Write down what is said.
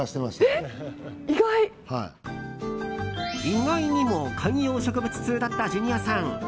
意外にも観葉植物通だったジュニアさん。